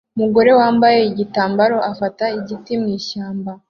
Umugabo wambaye igitambaro afata igiti mwishyamba